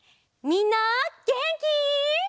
みんなげんき？